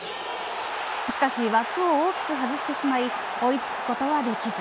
しかし枠を大きく外してしまい追い付くことはできず。